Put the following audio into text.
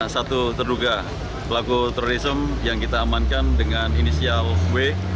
satu terduga pelaku terorisme yang kita amankan dengan inisial w